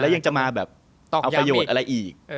ยังจะมาแบบต้องเอาประโยชน์อะไรอีก